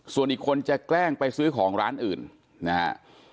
ส่วนอีกคนจะแกล้งไปซื้อของร้านอื่นนะฮะ